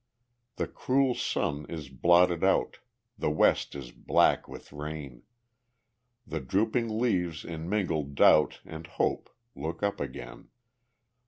The cruel sun is blotted out, The west is black with rain, The drooping leaves in mingled doubt And hope look up again.